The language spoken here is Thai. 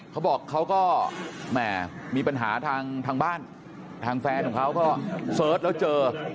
เขาบอกเขาก็แหม่มีปัญหาทางบ้านทางแฟนของเขาก็เสิร์ชแล้วเจอ